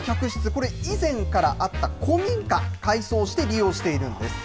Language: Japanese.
これ、以前からあった古民家、改装して利用しているんです。